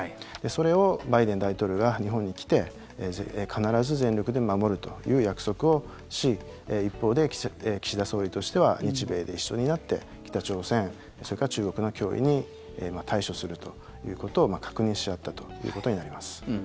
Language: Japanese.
それをバイデン大統領が日本に来て必ず全力で守るという約束をし一方で岸田総理としては日米で一緒になって北朝鮮、それから中国の脅威に対処するということを確認し合ったということになります。